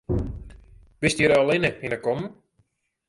Bist hjir allinne hinne kommen?